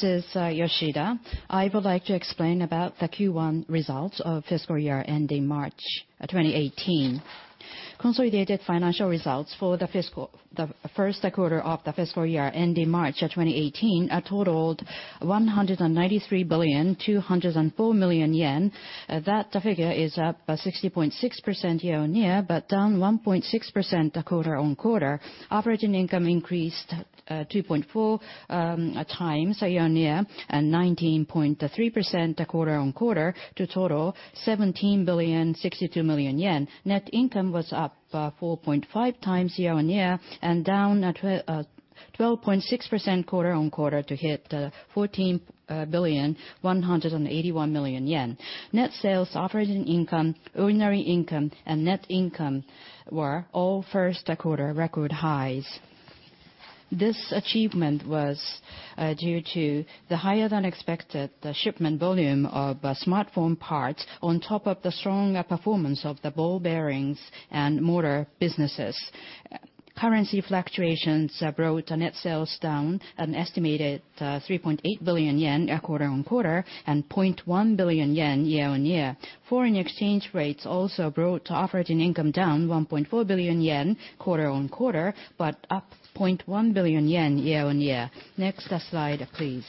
This is Yoshida. I would like to explain about the Q1 results of fiscal year-ending March 2018. Consolidated financial results for the first quarter of the fiscal year-ending March 2018 totaled 193 billion, 204 million. That figure is up 60.6% year-on-year, down 1.6% quarter-on-quarter. Operating income increased 2.4 times year-on-year, and 19.3% quarter-on-quarter to total 17 billion, 62 million. Net income was up 4.5 times year-on-year and down 12.6% quarter-on-quarter to hit 14 billion, 181 million. Net sales, operating income, ordinary income, and net income were all first quarter record highs. This achievement was due to the higher-than-expected shipment volume of smartphone parts on top of the strong performance of the ball bearings and motor businesses. Currency fluctuations brought net sales down an estimated 3.4 billion yen quarter-on-quarter and 0.1 billion yen year-on-year. Foreign exchange rates also brought operating income down 1.4 billion yen quarter-on-quarter, up 0.1 billion yen year-on-year. Next slide, please.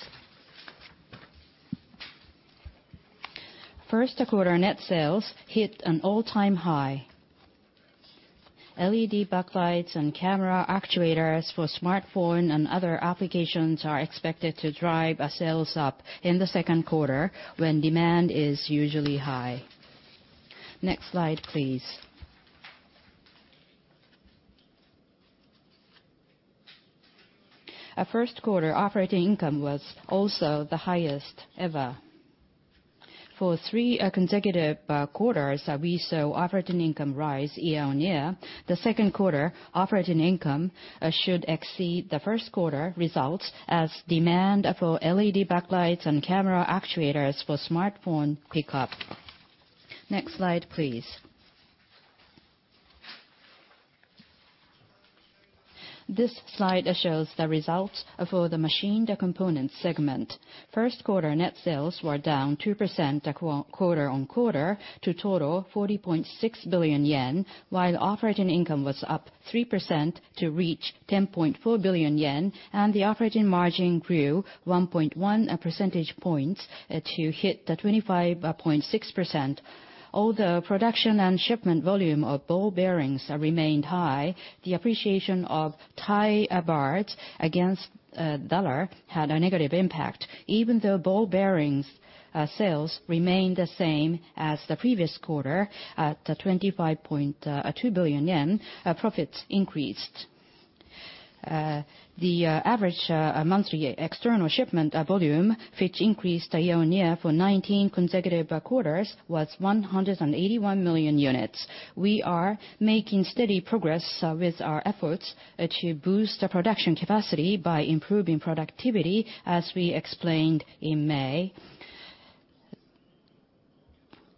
First quarter net sales hit an all-time high. LED backlights and camera actuators for smartphone and other applications are expected to drive sales up in the second quarter when demand is usually high. Next slide, please. First quarter operating income was also the highest ever. For three consecutive quarters, we saw operating income rise year-on-year. The second quarter operating income should exceed the first quarter results as demand for LED backlights and camera actuators for smartphone pick up. Next slide, please. This slide shows the results for the Machined Components segment. First quarter net sales were down 2% quarter-on-quarter to total 40.6 billion yen, while operating income was up 3% to reach 10.4 billion yen, and the operating margin grew 1.1 percentage points to hit 25.6%. Although production and shipment volume of ball bearings remained high, the appreciation of Thai baht against the U.S. dollar had a negative impact. Even though ball bearings sales remained the same as the previous quarter at 25.2 billion yen, profits increased. The average monthly external shipment volume, which increased year-on-year for 19 consecutive quarters, was 181 million units. We are making steady progress with our efforts to boost the production capacity by improving productivity, as we explained in May.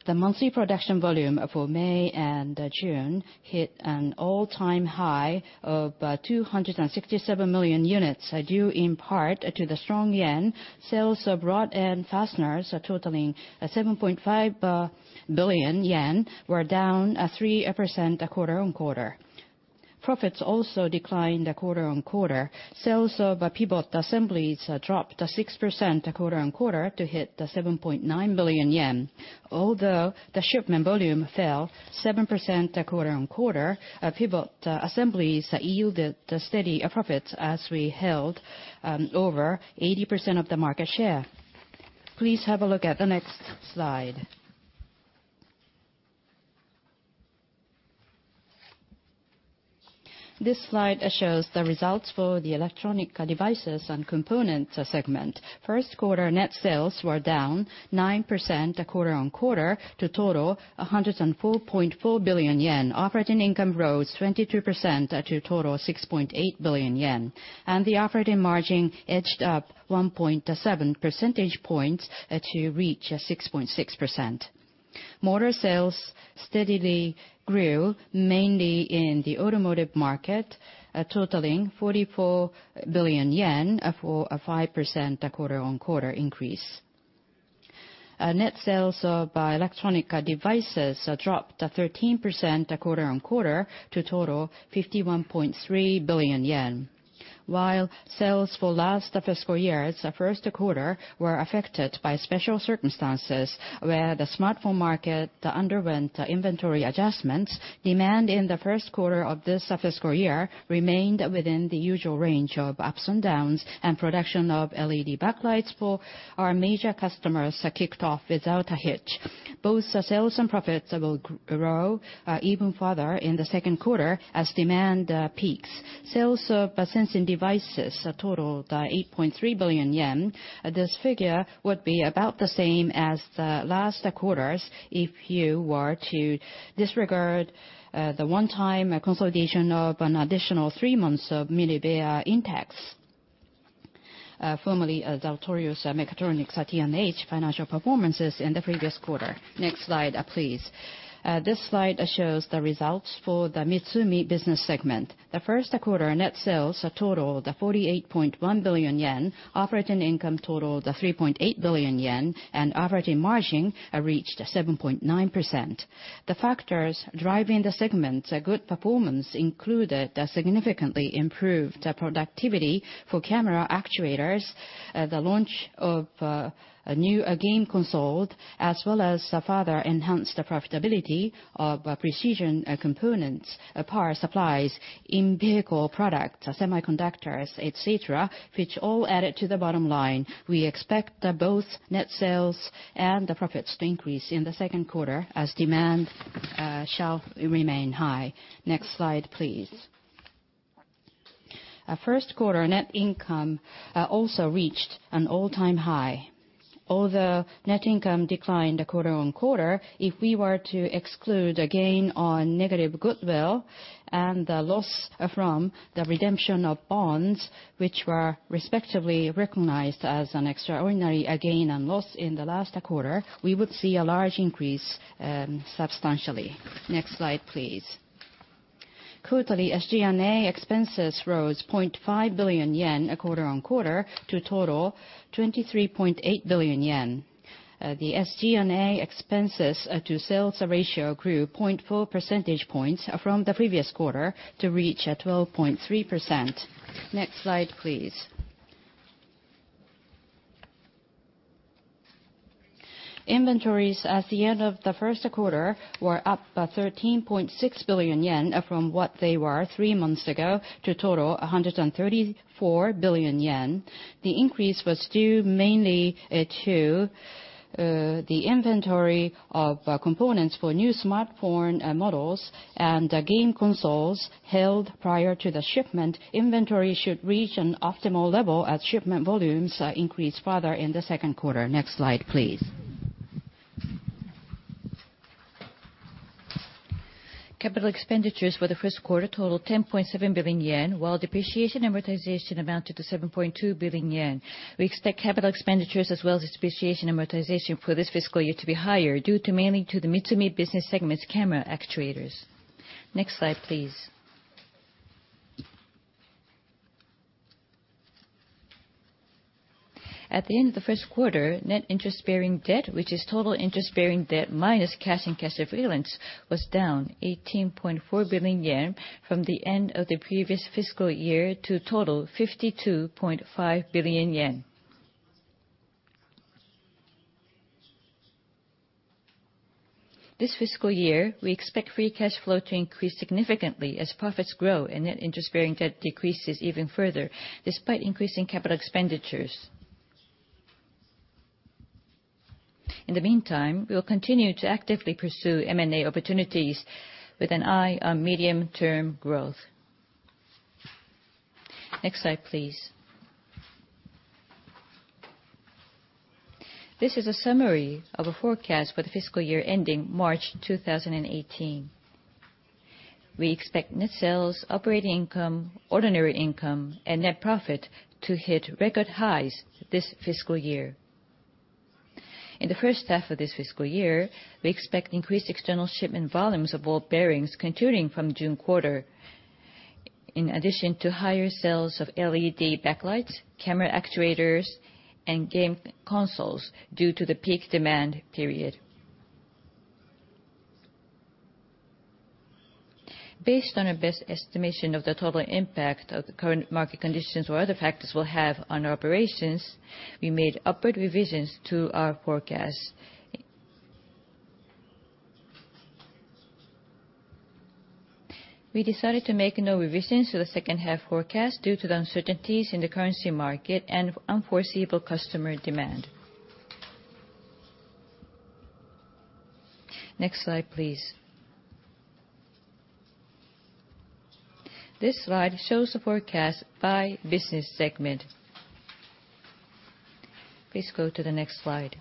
The monthly production volume for May and June hit an all-time high of 267 million units. Due in part to the strong yen, sales of rod-ends and fasteners totaling 7.5 billion yen were down 3% quarter-on-quarter. Profits also declined quarter-on-quarter. Sales of pivot assemblies dropped 6% quarter-on-quarter to hit 7.9 billion yen. Although the shipment volume fell 7% quarter-on-quarter, pivot assemblies yielded steady profits as we held over 80% of the market share. Please have a look at the next slide. This slide shows the results for the Electronic Devices and Components segment. First quarter net sales were down 9% quarter-on-quarter to total 104.4 billion yen. Operating income rose 22% to a total 6.8 billion yen, and the operating margin edged up 1.7 percentage points to reach 6.6%. Motor sales steadily grew mainly in the automotive market, totaling 44 billion yen for a 5% quarter-on-quarter increase. Net sales of electronic devices dropped 13% quarter-on-quarter to total 51.3 billion yen. While sales for last fiscal year's first quarter were affected by special circumstances where the smartphone market underwent inventory adjustments, demand in the first quarter of this fiscal year remained within the usual range of ups and downs, and production of LED backlights for our major customers kicked off without a hitch. Both sales and profits will grow even further in the second quarter as demand peaks. Sales of sensing devices totaled 8.3 billion yen. This figure would be about the same as the last quarter's if you were to disregard the one-time consolidation of an additional three months of Minebea Intec. Formerly Deltorios Mechatronics, T&H financial performances in the previous quarter. Next slide, please. This slide shows the results for the MITSUMI business segment. The first quarter net sales totaled 48.1 billion yen, operating income totaled 3.8 billion yen, and operating margin reached 7.9%. The factors driving the segment's good performance included a significantly improved productivity for camera actuators, the launch of a new game console, as well as a further enhanced profitability of precision components, power supplies, in-vehicle products, semiconductors, et cetera, which all added to the bottom line. We expect that both net sales and the profits to increase in the second quarter as demand shall remain high. Next slide, please. First quarter net income also reached an all-time high. Although net income declined quarter-on-quarter, if we were to exclude a gain on negative goodwill and the loss from the redemption of bonds, which were respectively recognized as an extraordinary gain and loss in the last quarter, we would see a large increase substantially. Next slide, please. Quarterly SG&A expenses rose 0.5 billion yen quarter-on-quarter to a total 23.8 billion yen. The SG&A expenses to sales ratio grew 0.4 percentage points from the previous quarter to reach 12.3%. Next slide, please. Inventories at the end of the first quarter were up 13.6 billion yen from what they were three months ago to total 134 billion yen. The increase was due mainly to the inventory of components for new smartphone models and game consoles held prior to the shipment. Inventory should reach an optimal level as shipment volumes increase further in the second quarter. Next slide, please. Capital expenditures for the first quarter totaled 10.7 billion yen, while depreciation amortization amounted to 7.2 billion yen. We expect capital expenditures as well as depreciation amortization for this fiscal year to be higher due mainly to the MITSUMI business segment's camera actuators. Next slide, please. At the end of the first quarter, net interest-bearing debt, which is total interest-bearing debt minus cash and cash equivalents, was down 18.4 billion yen from the end of the previous fiscal year to a total 52.5 billion yen. This fiscal year, we expect free cash flow to increase significantly as profits grow and net interest bearing debt decreases even further despite increasing capital expenditures. In the meantime, we will continue to actively pursue M&A opportunities with an eye on medium-term growth. Next slide, please. This is a summary of a forecast for the fiscal year ending March 2018. We expect net sales, operating income, ordinary income, and net profit to hit record highs this fiscal year. In the first half of this fiscal year, we expect increased external shipment volumes of ball bearings continuing from June quarter. In addition to higher sales of LED backlights, camera actuators, and game consoles due to the peak demand period. Based on our best estimation of the total impact of the current market conditions or other factors will have on our operations, we made upward revisions to our forecast. We decided to make no revisions to the second half forecast due to the uncertainties in the currency market and unforeseeable customer demand. Next slide, please. This slide shows the forecast by business segment. Please go to the next slide.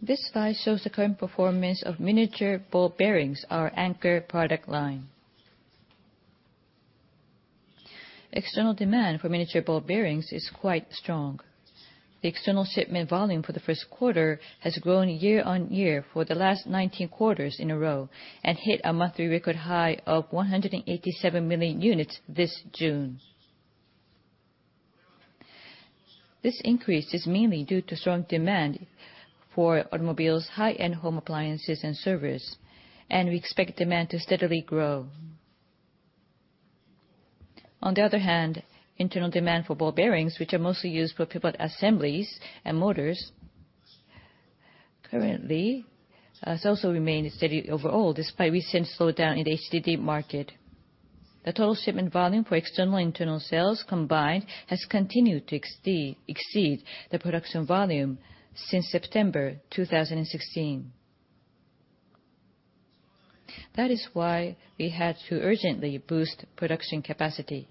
This slide shows the current performance of miniature ball bearings, our anchor product line. External demand for miniature ball bearings is quite strong. The external shipment volume for the first quarter has grown year-on-year for the last 19 quarters in a row and hit a monthly record high of 187 million units this June. This increase is mainly due to strong demand for automobiles, high-end home appliances, and servers. We expect demand to steadily grow. On the other hand, internal demand for ball bearings, which are mostly used for pivot assemblies and motors, currently has also remained steady overall, despite recent slowdown in the HDD market. The total shipment volume for external and internal sales combined has continued to exceed the production volume since September 2016. That is why we had to urgently boost production capacity.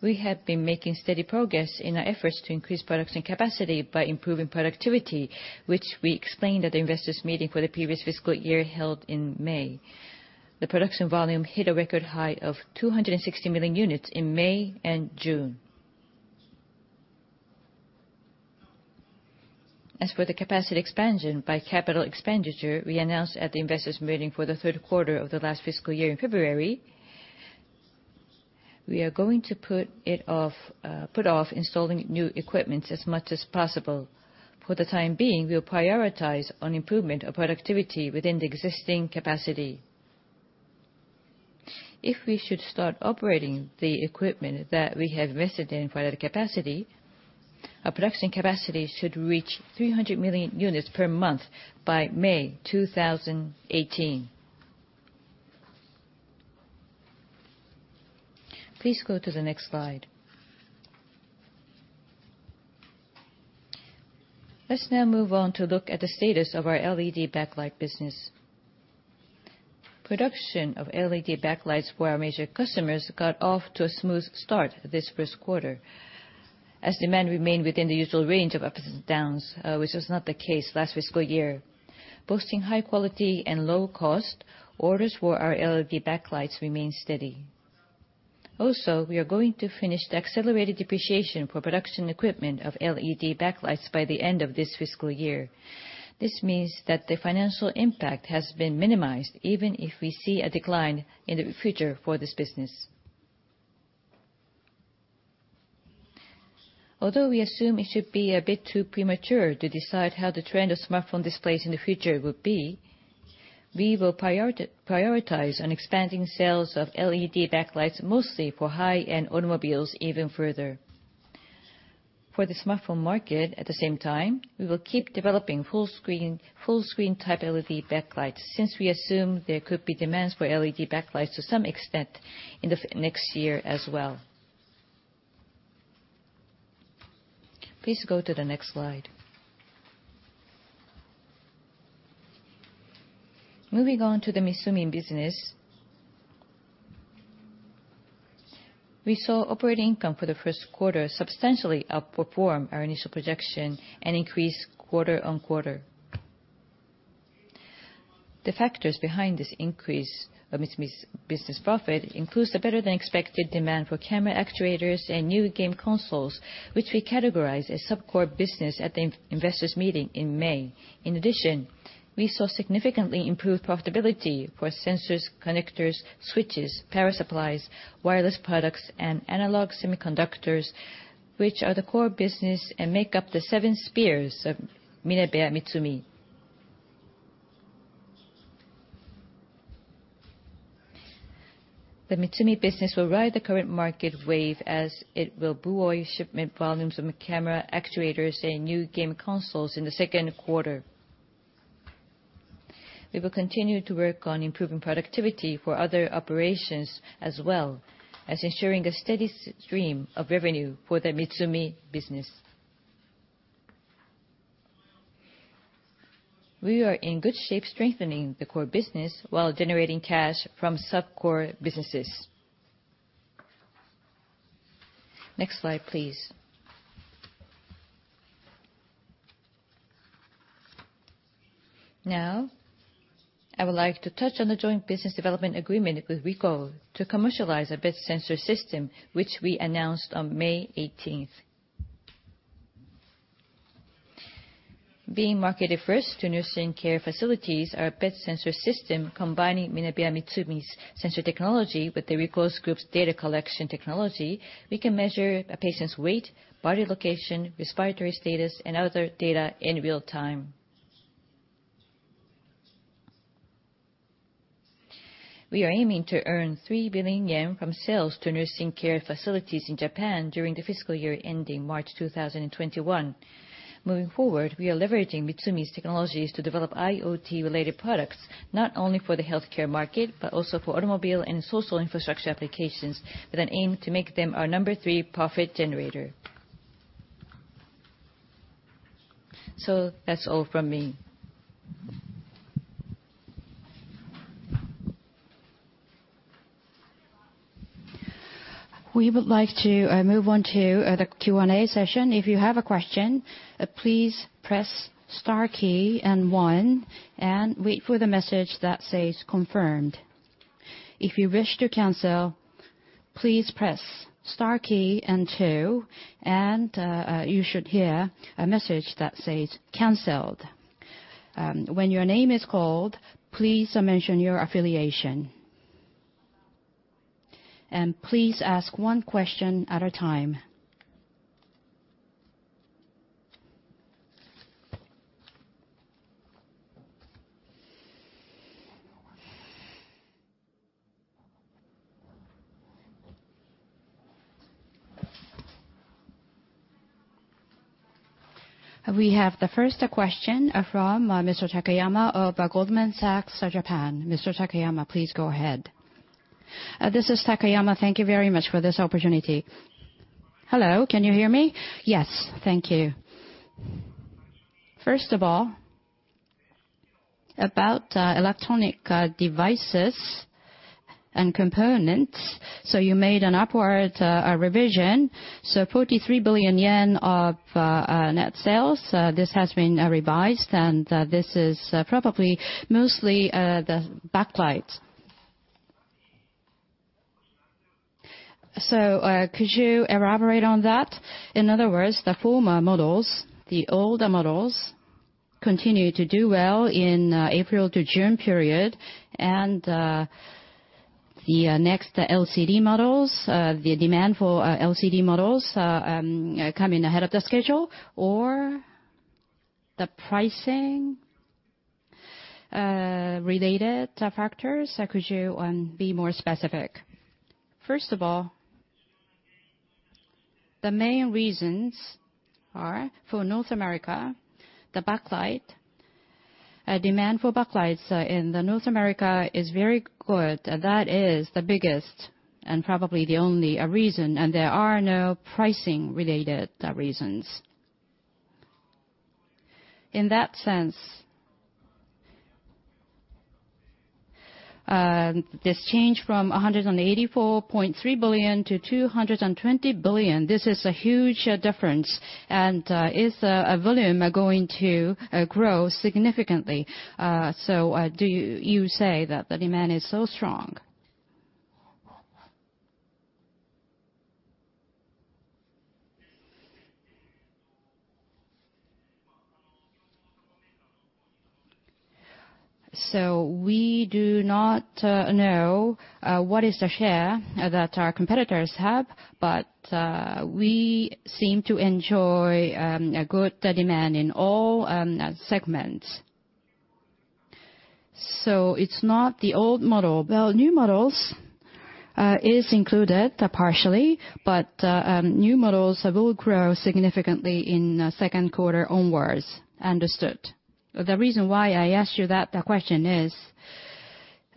We have been making steady progress in our efforts to increase production capacity by improving productivity, which we explained at the investors meeting for the previous fiscal year, held in May. The production volume hit a record high of 260 million units in May and June. As for the capacity expansion by capital expenditure, we announced at the investors meeting for the third quarter of the last fiscal year in February, we are going to put off installing new equipment as much as possible. For the time being, we'll prioritize on improvement of productivity within the existing capacity. If we should start operating the equipment that we have invested in for the capacity, our production capacity should reach 300 million units per month by May 2018. Please go to the next slide. Let's now move on to look at the status of our LED backlight business. Production of LED backlights for our major customers got off to a smooth start this first quarter, as demand remained within the usual range of ups and downs, which was not the case last fiscal year. Boasting high quality and low cost, orders for our LED backlights remain steady. We are going to finish the accelerated depreciation for production equipment of LED backlights by the end of this fiscal year. This means that the financial impact has been minimized, even if we see a decline in the future for this business. We assume it should be a bit too premature to decide how the trend of smartphone displays in the future will be, we will prioritize on expanding sales of LED backlights, mostly for high-end automobiles, even further. For the smartphone market, at the same time, we will keep developing full-screen type LED backlights, since we assume there could be demands for LED backlights to some extent in the next year as well. Please go to the next slide. Moving on to the MITSUMI business. We saw operating income for the first quarter substantially outperform our initial projection and increase quarter-on-quarter. The factors behind this increase of MITSUMI's business profit includes the better-than-expected demand for camera actuators and new game consoles, which we categorize as sub-core business at the investors meeting in May. In addition, we saw significantly improved profitability for sensors, connectors, switches, power supplies, wireless products, and analog semiconductors, which are the core business and make up the Eight Spears of MinebeaMitsumi. The MITSUMI business will ride the current market wave as it will buoy shipment volumes of camera actuators and new game consoles in the second quarter. We will continue to work on improving productivity for other operations as well as ensuring a steady stream of revenue for the MITSUMI business. We are in good shape strengthening the core business while generating cash from sub-core businesses. Next slide, please. Now, I would like to touch on the joint business development agreement with Ricoh to commercialize a Bed Sensor System, which we announced on May 18th. Being marketed first to nursing care facilities, our Bed Sensor System combining MinebeaMitsumi's sensor technology with Ricoh's group's data collection technology, we can measure a patient's weight, body location, respiratory status, and other data in real time. We are aiming to earn 3 billion yen from sales to nursing care facilities in Japan during the fiscal year ending March 2021. Moving forward, we are leveraging MITSUMI's technologies to develop IoT-related products, not only for the healthcare market, but also for automobile and social infrastructure applications with an aim to make them our number three profit generator. That's all from me. We would like to move on to the Q&A session. If you have a question, please press star key and one, and wait for the message that says confirmed. If you wish to cancel, please press star key and two, and you should hear a message that says canceled. When your name is called, please mention your affiliation. Please ask one question at a time. We have the first question from Mr. Takayama of Goldman Sachs Japan. Mr. Takayama, please go ahead. This is Takayama. Thank you very much for this opportunity. Hello, can you hear me? Yes. Thank you. First of all, Electronic Devices and Components. You made an upward revision. 43 billion yen of net sales, this has been revised, and this is probably mostly the backlight. Could you elaborate on that? In other words, the former models, the older models, continue to do well in April to June period, and the next LCD models, the demand for LCD models come in ahead of the schedule, or the pricing-related factors? Could you be more specific? First of all, the main reasons are for North America, the backlight. Demand for backlights in North America is very good. That is the biggest and probably the only reason, and there are no pricing-related reasons. In that sense, this change from 184.3 billion to 220 billion, this is a huge difference. Is volume going to grow significantly? Do you say that the demand is so strong? We do not know what is the share that our competitors have, but we seem to enjoy a good demand in all segments. It's not the old model. Well, new models is included partially, but new models will grow significantly in second quarter onwards. Understood. The reason why I asked you that question is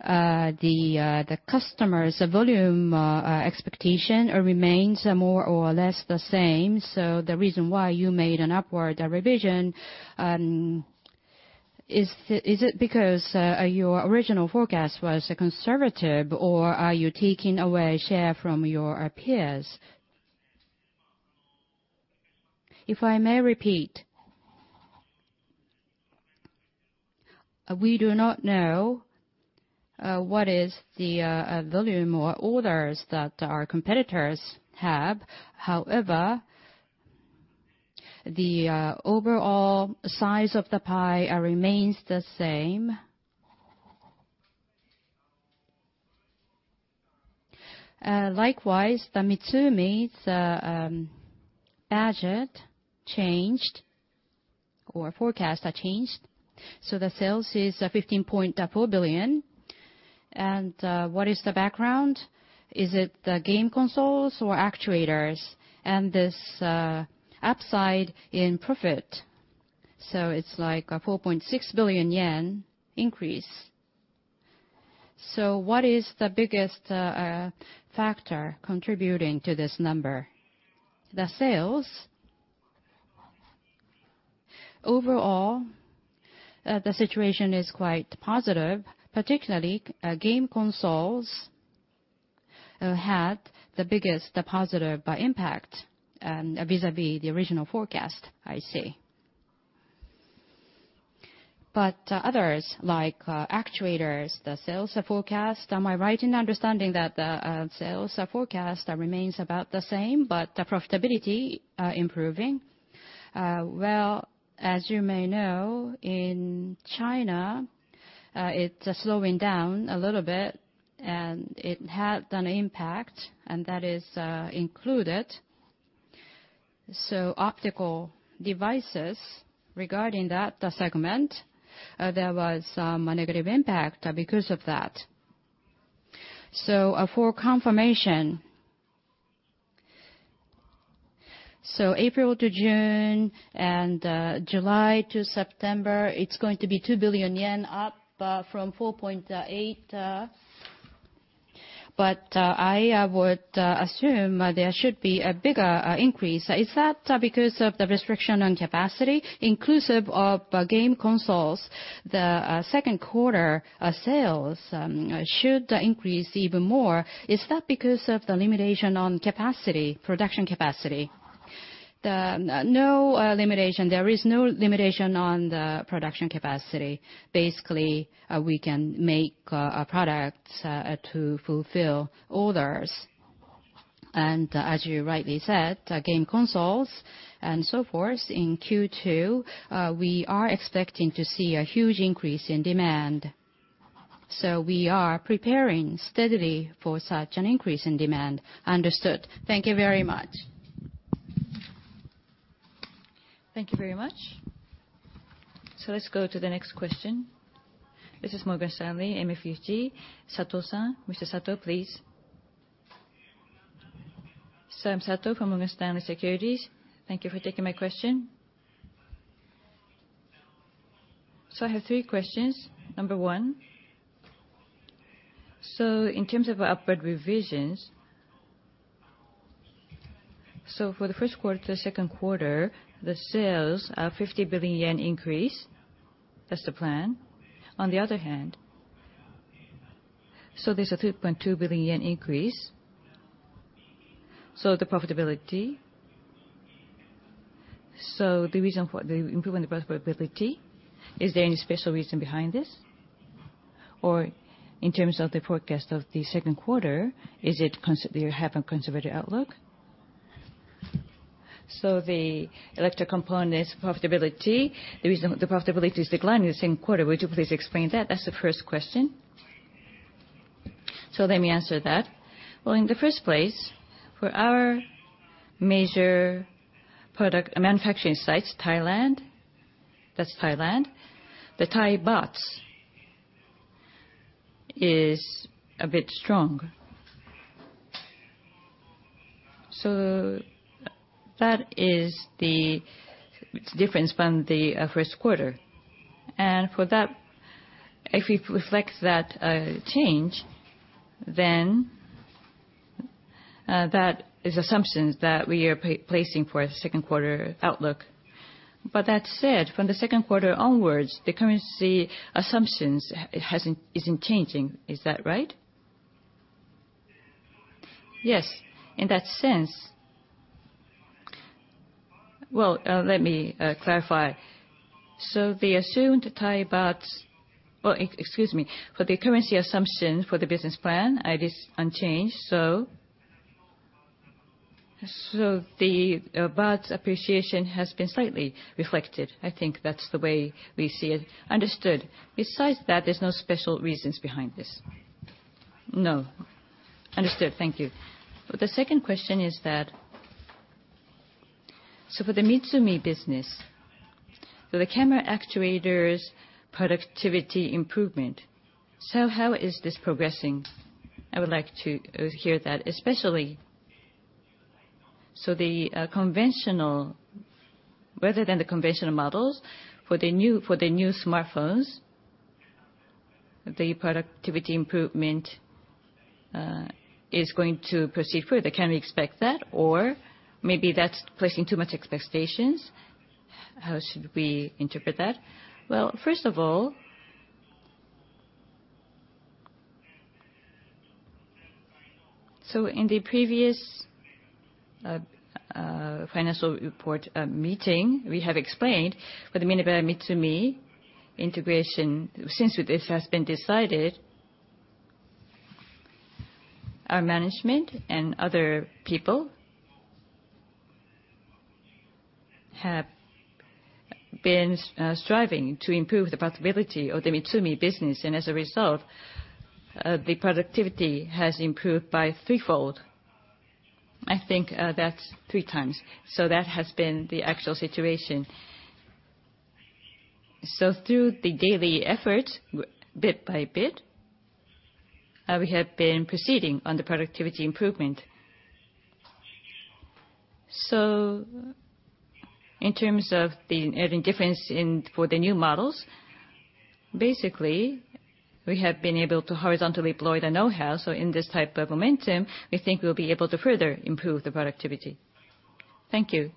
the customers volume expectation remains more or less the same. The reason why you made an upward revision, is it because your original forecast was conservative, or are you taking away share from your peers? If I may repeat. We do not know what is the volume or orders that our competitors have. However, the overall size of the pie remains the same. Likewise, the MITSUMI's budget changed, or forecast changed. The sales is 15.4 billion. What is the background? Is it the game consoles or actuators and this upside in profit? It's like a 4.6 billion yen increase. What is the biggest factor contributing to this number? The sales, overall, the situation is quite positive, particularly game consoles had the biggest positive impact vis-à-vis the original forecast, I see. Others, like actuators, the sales forecast, am I right in understanding that the sales forecast remains about the same, but the profitability improving? Well, as you may know, in China, it's slowing down a little bit and it had an impact, and that is included. Optical devices, regarding that segment, there was a negative impact because of that. For confirmation. April to June and July to September, it's going to be 2 billion yen up from 4.8 billion, but I would assume there should be a bigger increase. Is that because of the restriction on capacity inclusive of game consoles, the second quarter sales should increase even more? Is that because of the limitation on capacity, production capacity? No limitation. There is no limitation on the production capacity. Basically, we can make products to fulfill orders. As you rightly said, game consoles and so forth in Q2, we are expecting to see a huge increase in demand. We are preparing steadily for such an increase in demand. Understood. Thank you very much. Thank you very much. Let's go to the next question. This is Morgan Stanley MUFG, Sato-san. Mr. Sato, please. Sam Sato from Morgan Stanley Securities. Thank you for taking my question. I have three questions. Number one, in terms of upward revisions- For the first quarter to second quarter, the sales are 50 billion yen increase. That's the plan. On the other hand, there's a 3.2 billion yen increase. The profitability. The reason for the improvement of profitability, is there any special reason behind this? Or in terms of the forecast of the second quarter, do you have a conservative outlook? The electric component's profitability, the reason the profitability is declining in the same quarter, would you please explain that? That's the first question. Let me answer that. In the first place, for our major product manufacturing sites, Thailand. That's Thailand. The THB is a bit strong. That is the difference from the first quarter. For that, if we reflect that change, that is assumptions that we are placing for second quarter outlook. That said, from the second quarter onwards, the currency assumptions is not changing. Is that right? Yes. In that sense, let me clarify. The assumed THB, or, excuse me, for the currency assumption for the business plan, it is unchanged. The THB appreciation has been slightly reflected. I think that's the way we see it. Understood. Besides that, there's no special reasons behind this? No. Understood. Thank you. The second question is that, for the MITSUMI business, for the camera actuators productivity improvement, how is this progressing? I would like to hear that, especially the conventional, rather than the conventional models, for the new smartphones, the productivity improvement is going to proceed further. Can we expect that? Or maybe that's placing too much expectations. How should we interpret that? First of all, in the previous financial report meeting, we have explained for the MINEBEA MITSUMI integration, since this has been decided, our management and other people have been striving to improve the profitability of the MITSUMI business, and as a result, the productivity has improved by threefold. I think that's three times. That has been the actual situation. Through the daily efforts, bit by bit, we have been proceeding on the productivity improvement. In terms of the difference for the new models, basically, we have been able to horizontally deploy the know-how. In this type of momentum, we think we'll be able to further improve the productivity. Thank you.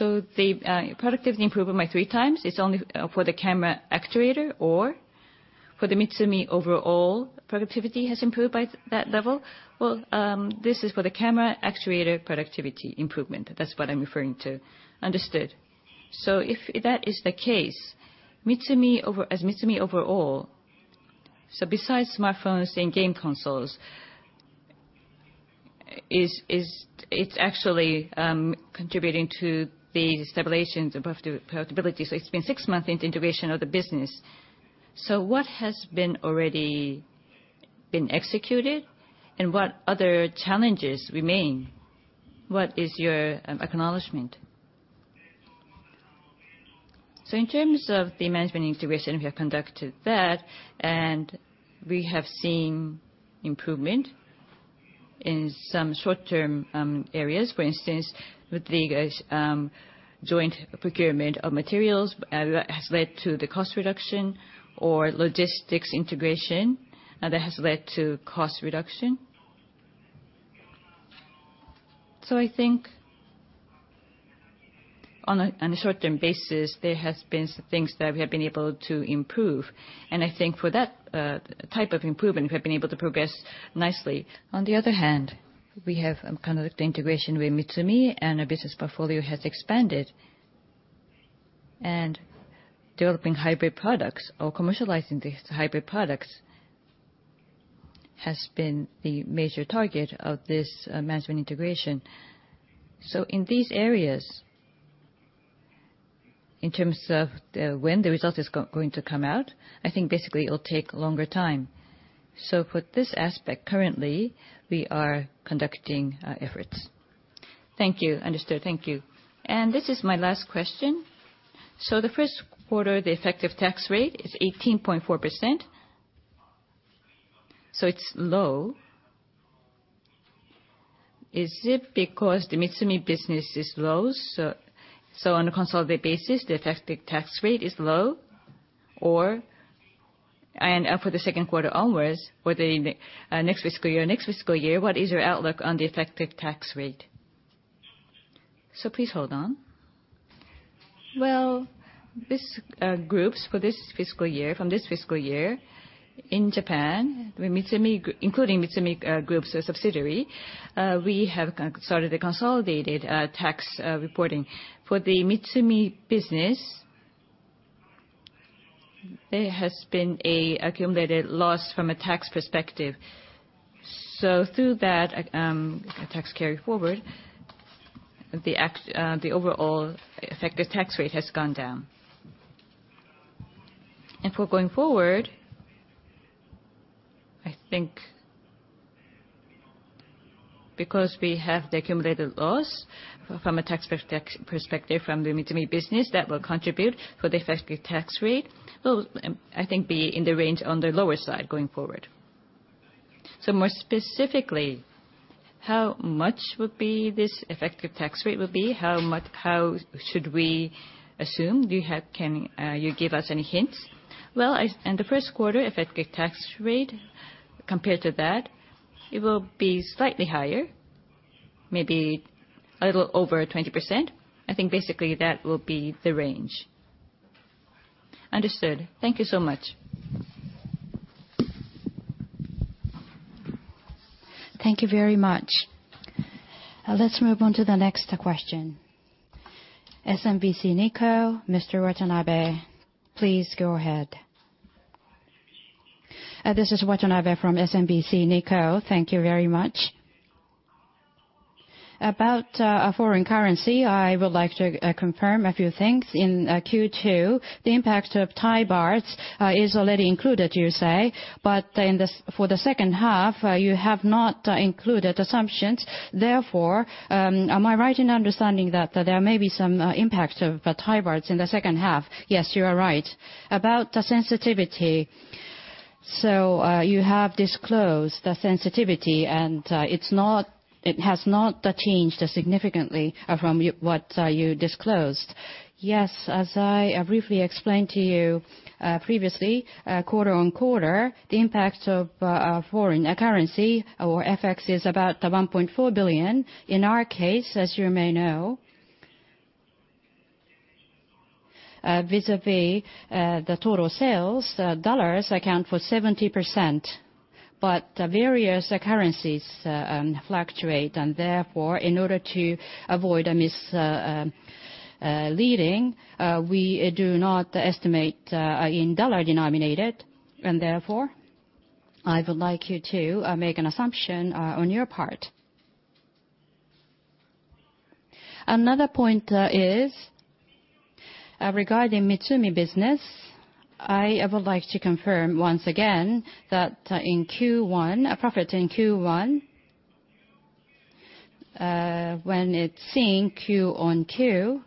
The productivity improvement by 3 times, it's only for the camera actuator, or for the MITSUMI overall productivity has improved by that level? Well, this is for the camera actuator productivity improvement. That's what I'm referring to. Understood. If that is the case, as MITSUMI overall, besides smartphones and game consoles, it's actually contributing to the stabilizations above the profitability. It's been 6 months into integration of the business. What has already been executed, and what other challenges remain? What is your acknowledgment? In terms of the management integration, we have conducted that, and we have seen improvement in some short-term areas. For instance, with the joint procurement of materials has led to the cost reduction, or logistics integration that has led to cost reduction. I think on a short-term basis, there has been some things that we have been able to improve. I think for that type of improvement, we have been able to progress nicely. On the other hand, we have conducted integration with MITSUMI and our business portfolio has expanded. Developing hybrid products or commercializing these hybrid products has been the major target of this management integration. In these areas, in terms of when the result is going to come out, I think basically it'll take longer time. For this aspect, currently, we are conducting efforts. Thank you. Understood. Thank you. This is my last question. The first quarter, the effective tax rate is 18.4%, it's low. Is it because the MITSUMI business is low, on a consolidated basis, the effective tax rate is low? For the second quarter onwards, for the next fiscal year and next fiscal year, what is your outlook on the effective tax rate? Please hold on. This group, from this fiscal year, in Japan, including MITSUMI Group's subsidiary, we have started the consolidated tax reporting. For the MITSUMI business, there has been an accumulated loss from a tax perspective. Through that tax carry-forward, the overall effective tax rate has gone down. For going forward, I think because we have the accumulated loss from a tax perspective from the MITSUMI business, that will contribute for the effective tax rate. Will, I think, be in the range on the lower side going forward. More specifically, how much would be this effective tax rate will be? How should we assume? Can you give us any hints? In the first quarter, effective tax rate, compared to that, it will be slightly higher, maybe a little over 20%. I think basically that will be the range. Understood. Thank you so much. Thank you very much. Let's move on to the next question. SMBC Nikko, Mr. Watanabe, please go ahead. This is Watanabe from SMBC Nikko. Thank you very much. About foreign currency, I would like to confirm a few things. In Q2, the impact of Thai bahts is already included, you say, but for the second half, you have not included assumptions. Am I right in understanding that there may be some impact of Thai bahts in the second half? Yes, you are right. About the sensitivity. You have disclosed the sensitivity, and it has not changed significantly from what you disclosed. Yes. As I briefly explained to you previously, quarter on quarter, the impact of foreign currency or FX is about 1.4 billion. Various currencies fluctuate, and therefore, in order to avoid misleading, we do not estimate in dollar-denominated, and therefore, I would like you to make an assumption on your part. Another point is regarding MITSUMI business. I would like to confirm once again that in Q1, profit in Q1, when it's seeing quarter-on-quarter,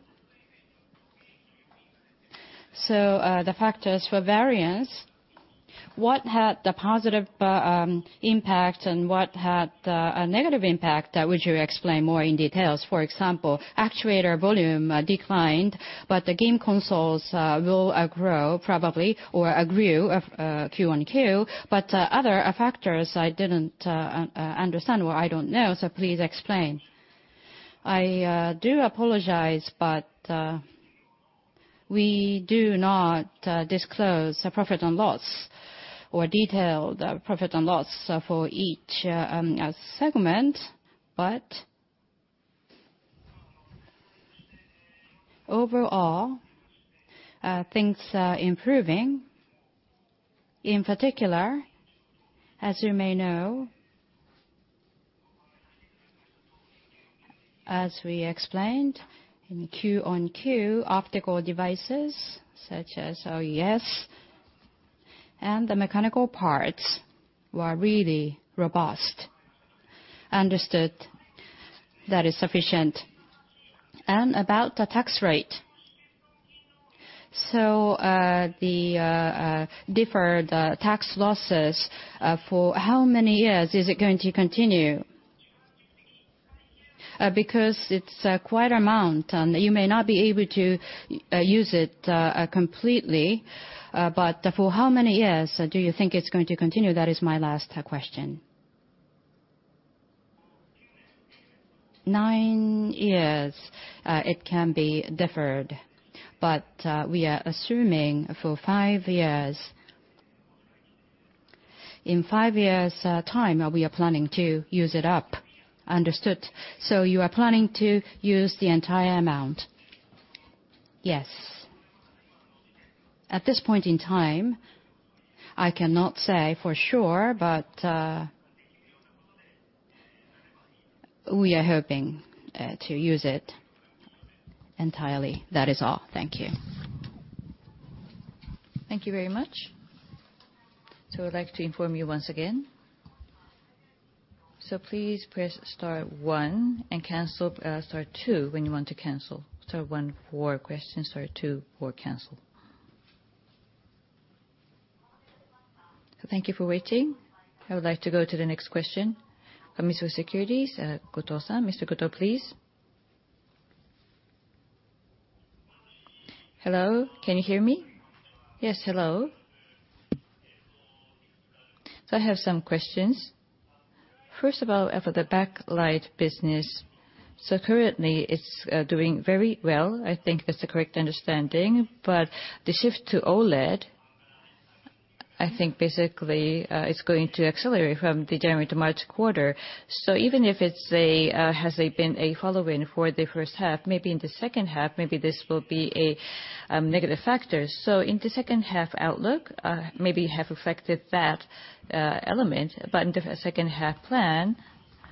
the factors for variance, what had the positive impact and what had a negative impact? Would you explain more in detail? For example, actuator volume declined, the game consoles will grow probably or grew Q1 to Q, other factors I didn't understand or I don't know, please explain. I do apologize, we do not disclose the profit and loss or detail the profit and loss for each segment. Overall, things are improving. In particular, as you may know, as we explained, in quarter-on-quarter, optical devices such as OIS and the mechanical parts were really robust. Understood. That is sufficient. About the tax rate. The deferred tax losses, for how many years is it going to continue? Because it's quite an amount, you may not be able to use it completely, for how many years do you think it's going to continue? That is my last question. Nine years it can be deferred, we are assuming for five years. In five years' time, we are planning to use it up. Understood. You are planning to use the entire amount? Yes. At this point in time, I cannot say for sure, we are hoping to use it entirely. That is all. Thank you. Thank you very much. I'd like to inform you once again. Please press star one and cancel, star two when you want to cancel. Star one for questions, star two for cancel. Thank you for waiting. I would like to go to the next question from Mizuho Securities, Goto-san. Mr. Goto, please. Hello, can you hear me? Yes, hello. I have some questions. First of all, for the backlight business. Currently it's doing very well. I think that's the correct understanding. The shift to OLED, I think basically, it's going to accelerate from the January to March quarter. Even if it has been a follow-in for the first half, maybe in the second half, maybe this will be a negative factor. In the second half outlook, maybe have affected that element. In the second half plan,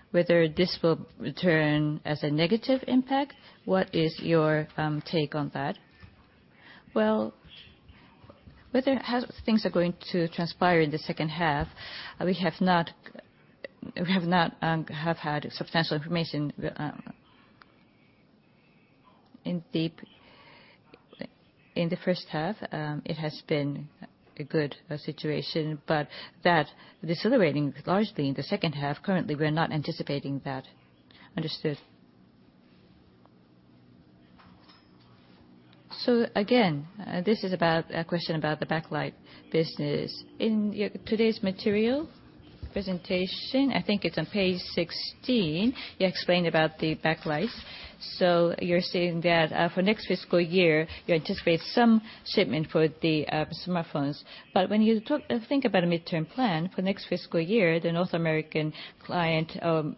whether this will return as a negative impact, what is your take on that? Well, whether, how things are going to transpire in the second half, we have not had substantial information in deep in the first half. It has been a good situation, but that decelerating largely in the second half. Currently, we're not anticipating that. Understood. Again, this is a question about the backlight business. In today's material presentation, I think it's on page 16, you explained about the backlights. You're saying that for next fiscal year, you anticipate some shipment for the smartphones. When you think about a midterm plan for next fiscal year, the North American client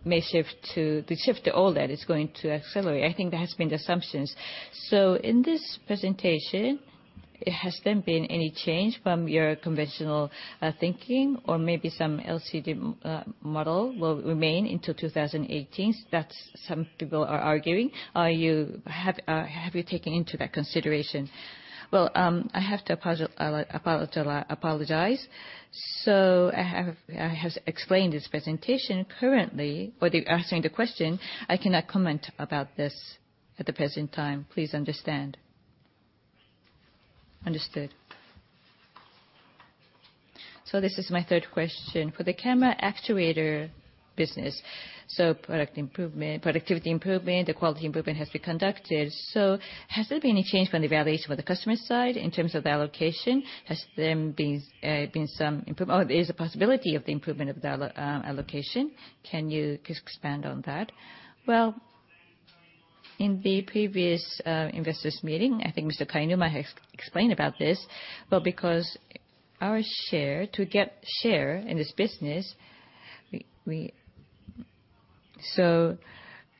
may shift to. The shift to OLED is going to accelerate. I think that has been the assumptions. In this presentation, has there been any change from your conventional thinking or maybe some LCD model will remain into 2018? That's some people are arguing. Have you taken into that consideration? Well, I have to apologize. I have explained this presentation currently, but you're asking the question, I cannot comment about this at the present time. Please understand. Understood. This is my third question. For the camera actuator business, productivity improvement and quality improvement has been conducted. Has there been any change from the evaluation from the customer side in terms of the allocation? Has there been some improvement or is the possibility of the improvement of the allocation? Can you expand on that? Well, in the previous investors meeting, I think Mr. Kainuma explained about this. Because our share to get share in this business, we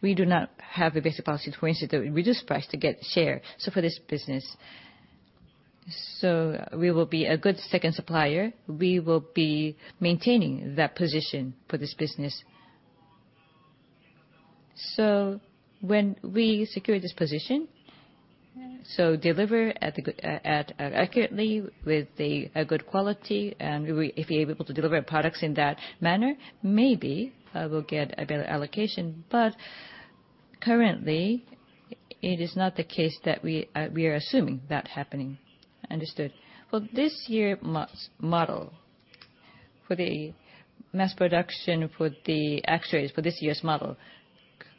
do not have a basic policy to reduce price to get share. For this business, we will be a good second supplier. We will be maintaining that position for this business. When we secure this position, deliver accurately with a good quality, and if we're able to deliver products in that manner, maybe we'll get a better allocation. Currently it is not the case that we are assuming that happening. Understood. For this year model, for the mass production for the actuators for this year's model,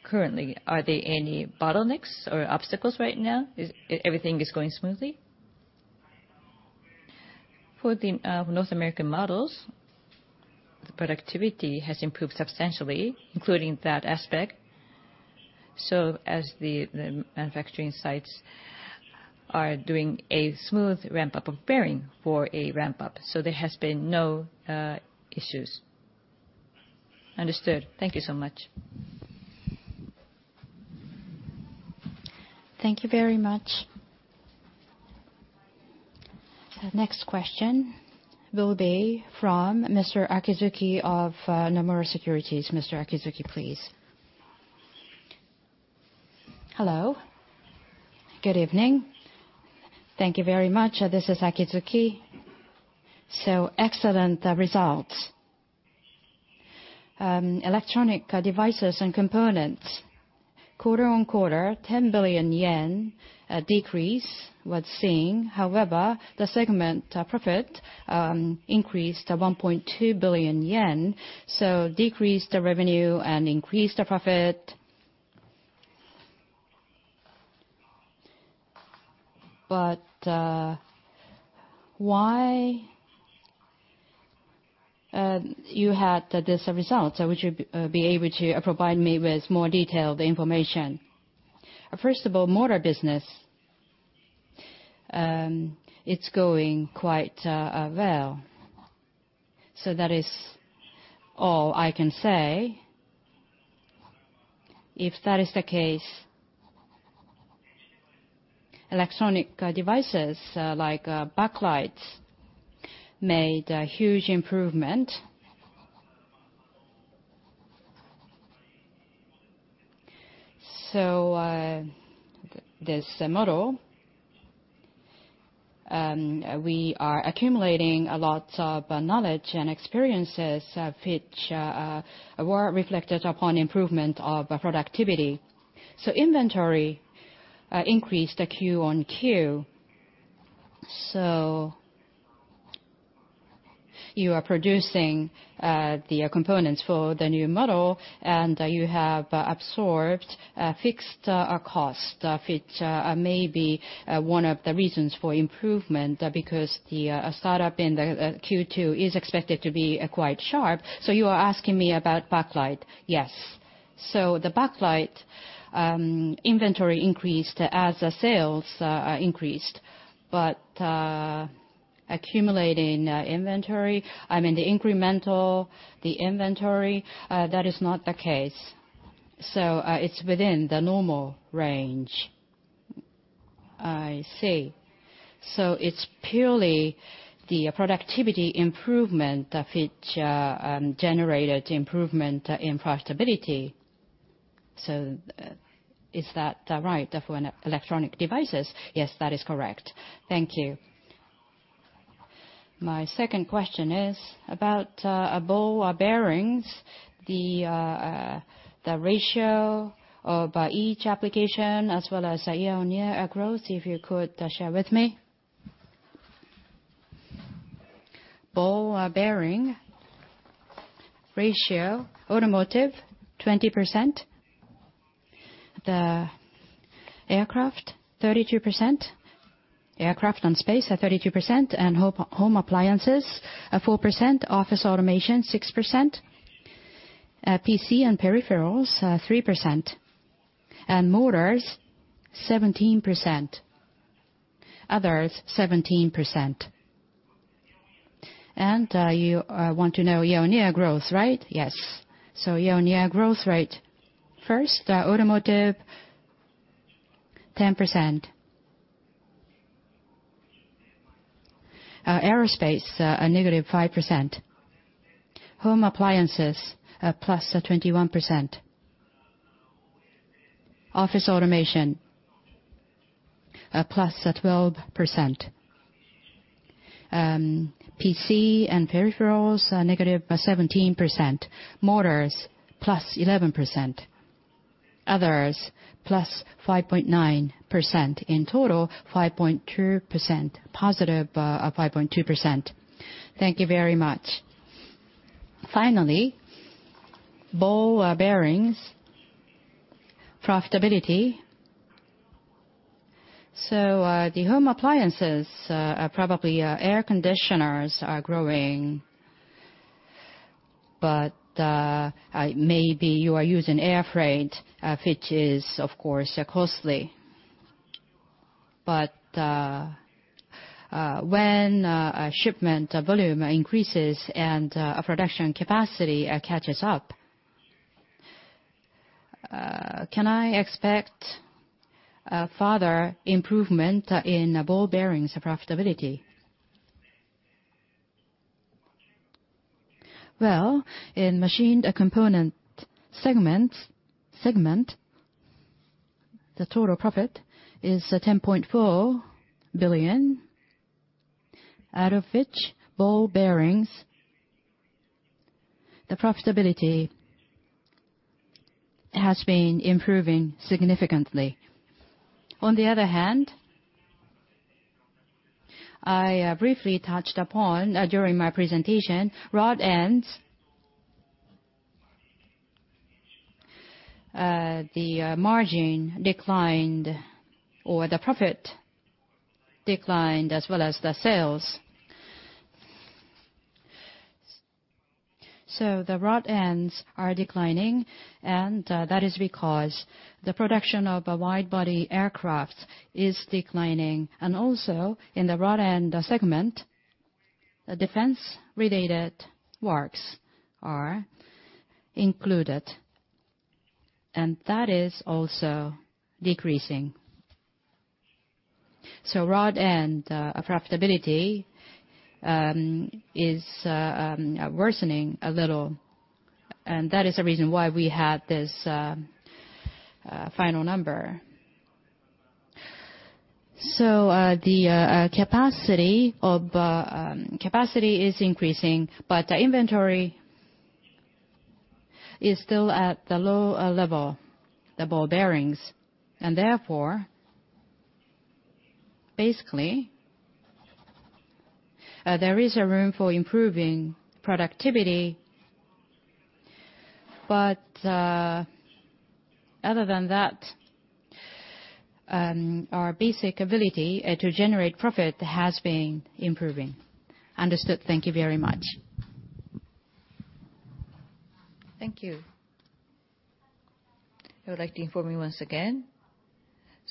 currently, are there any bottlenecks or obstacles right now? Everything is going smoothly? For the North American models, the productivity has improved substantially, including that aspect. As the manufacturing sites are doing a smooth ramp-up of bearing for a ramp-up, there has been no issues. Understood. Thank you so much. Thank you very much. The next question will be from Mr. Akizuki of Nomura Securities. Mr. Akizuki, please. Hello. Good evening. Thank you very much. This is Akizuki. Excellent results. Electronic Devices and Components, quarter-on-quarter, JPY 10 billion decrease we're seeing. However, the segment profit increased to 1.2 billion yen, decreased the revenue and increased the profit. Why you had this result? Would you be able to provide me with more detailed information? First of all, motor business, it's going quite well. That is all I can say. If that is the case, electronic devices like backlights made a huge improvement. This model, we are accumulating a lot of knowledge and experiences which were reflected upon improvement of productivity. Inventory increased QoQ. You are producing the components for the new model, and you have absorbed fixed cost, which may be one of the reasons for improvement, because the startup in the Q2 is expected to be quite sharp. You are asking me about backlight? Yes. The backlight inventory increased as the sales increased. Accumulating inventory, I mean, the incremental, the inventory, that is not the case. It's within the normal range. I see. It's purely the productivity improvement which generated improvement in profitability. Is that right for electronic devices? Yes, that is correct. Thank you. My second question is about ball bearings, the ratio of each application as well as year-on-year growth, if you could share with me. Ball bearing ratio, automotive 20%, the aircraft 32%, aircraft and space 32%, home appliances 4%, office automation 6%, PC and peripherals 3%, motors 17%, others 17%. You want to know year-on-year growth, right? Yes. Year-on-year growth rate. First, automotive 10%, aerospace -5%, home appliances +21%, office automation +12%, PC and peripherals -17%, motors +11%, others +5.9%, in total, +5.2% positive, +5.2%. Thank you very much. Finally, ball bearings profitability. The home appliances, probably air conditioners are growing, but maybe you are using air freight, which is, of course, costly. When shipment volume increases and production capacity catches up, can I expect further improvement in ball bearings profitability? Well, in Machined Components segment, the total profit is 10.4 billion, out of which ball bearings, the profitability has been improving significantly. On the other hand, I briefly touched upon, during my presentation, rod ends. The margin declined or the profit declined as well as the sales. The rod ends are declining, that is because the production of a wide-body aircraft is declining. Also, in the rod end segment, defense-related works are included, that is also decreasing. Rod end profitability is worsening a little, that is the reason why we had this final number. The capacity is increasing, but the inventory is still at the low level, the ball bearings. Therefore, basically, there is a room for improving productivity. Other than that, our basic ability to generate profit has been improving. Understood. Thank you very much. Thank you. I would like to inform you once again.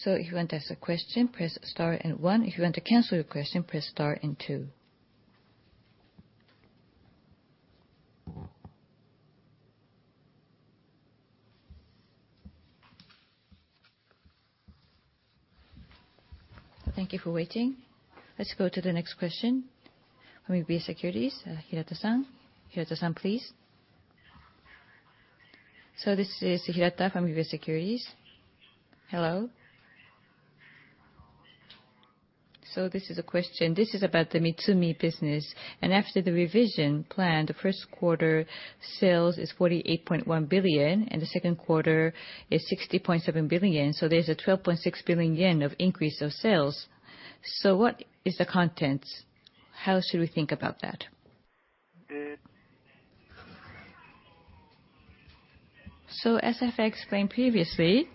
If you want to ask a question, press star and one. If you want to cancel your question, press star and two. Thank you for waiting. Let's go to the next question from UBS Securities, Hirata-san. Hirata-san, please. This is Hirata from UBS Securities. Hello. This is a question. This is about the MITSUMI business. After the revision plan, the Q1 sales is 48.1 billion, and the Q2 is 60.7 billion. There's a 12.6 billion yen increase of sales. What is the contents? How should we think about that? As I've explained previously,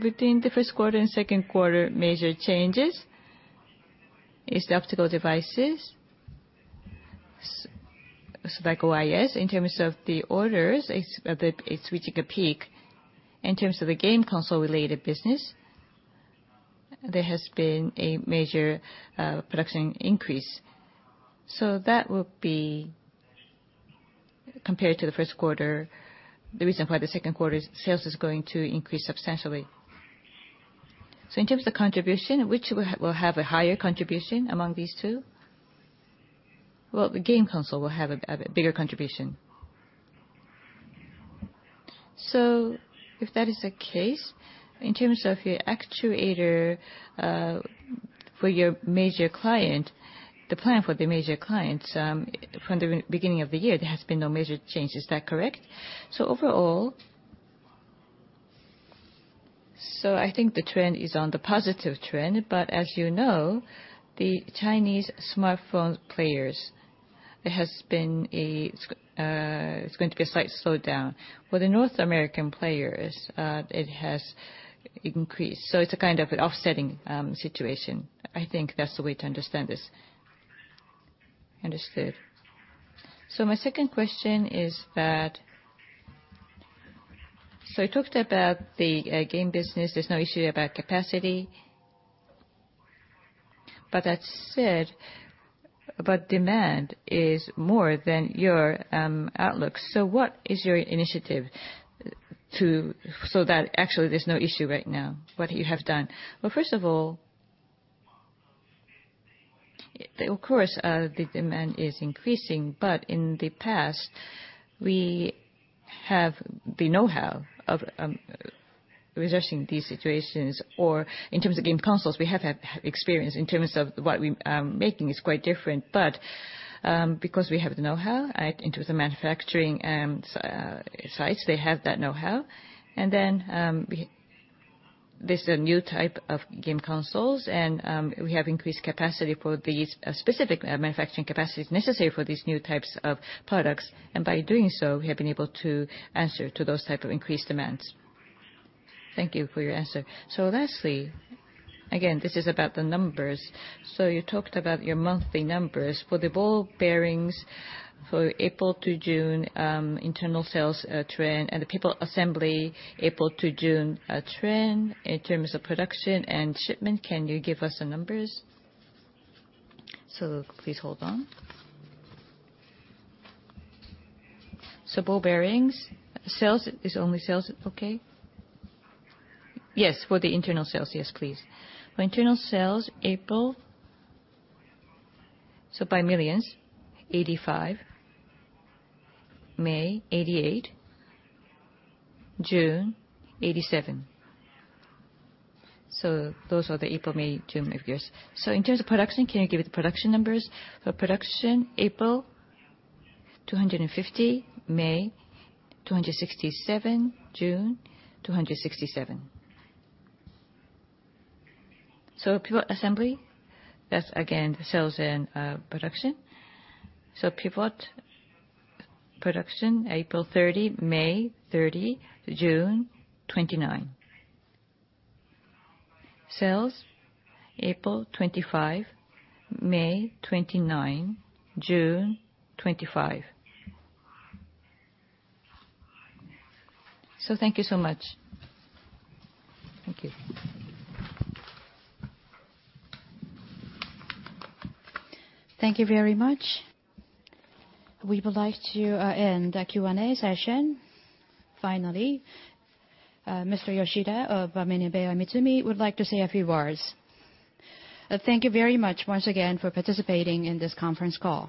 between Q1 and Q2, major changes is the optical devices, like OIS. In terms of the orders, it's reaching a peak. In terms of the game console related business, there has been a major production increase. That will be compared to Q1, the reason why the Q2's sales is going to increase substantially. In terms of contribution, which will have a higher contribution among these two? Well, the game console will have a bigger contribution. If that is the case, in terms of your actuator for your major client, the plan for the major clients, from the beginning of the year, there has been no major change. Is that correct? Overall, I think the trend is on the positive trend, as you know, the Chinese smartphone players, it's going to be a slight slowdown. For the North American players, it has increased. It's a kind of an offsetting situation. I think that's the way to understand this. Understood. My second question is that, I talked about the game business. There's no issue about capacity. That said, demand is more than your outlook. What is your initiative so that actually there's no issue right now? What you have done? Well, first of all, of course, the demand is increasing. In the past, we have the knowhow of researching these situations, or in terms of game consoles, we have had experience. In terms of what we are making, it's quite different. Because we have the knowhow, in terms of manufacturing sites, they have that knowhow. Then, this is a new type of game consoles, we have increased capacity for these specific manufacturing capacities necessary for these new types of products. By doing so, we have been able to answer to those type of increased demands. Thank you for your answer. Lastly, again, this is about the numbers. You talked about your monthly numbers. For the ball bearings for April to June, internal sales trend, and the pivot assemblies April to June trend in terms of production and shipment, can you give us the numbers? Please hold on. Ball bearings, sales, is only sales okay? Yes, for the internal sales. Yes, please. For internal sales, April, by millions, 85 million. May, 88 million. June, 87 million. Those are the April, May, June figures. In terms of production, can you give the production numbers? For production, April 250, May 267, June 267. Pivot assemblies, that's again, the sales and production. Pivot production, April 30, May 30, June 29. Sales, April 25, May 29, June 25. Thank you so much. Thank you. Thank you very much. We would like to end the Q&A session. Finally, Mr. Yoshida of MINEBEA MITSUMI would like to say a few words. Thank you very much once again for participating in this conference call.